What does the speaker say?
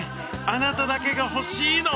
あなただけが欲しいの。